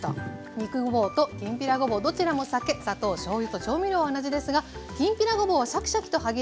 肉ごぼうときんぴらごぼうどちらも酒砂糖しょうゆと調味料は同じですがきんぴらごぼうはシャキシャキと歯切れよく